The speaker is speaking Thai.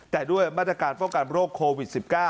แต่ด้วยมาตรการป้องกันโรคโควิด๑๙